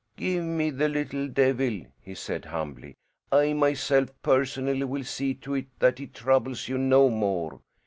"Give me the little devil," he said humbly. "I, myself, personally, will see to it that he troubles you no more.